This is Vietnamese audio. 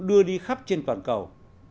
đưa đi khắp trên toàn cầu